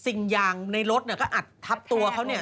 สิ่งยางในรถเนี่ยก็อัดทับตัวเขาเนี่ย